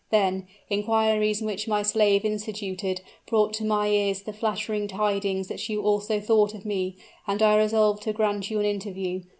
Then, inquiries which my slave instituted, brought to my ears the flattering tidings that you also thought of me, and I resolved to grant you an interview.